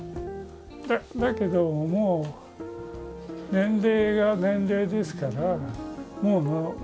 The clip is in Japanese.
だけどもう年齢が年齢ですから。